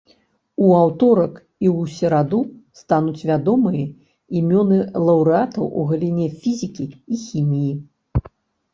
У аўторак і ў сераду стануць вядомыя імёны лаўрэатаў у галіне фізікі і хіміі.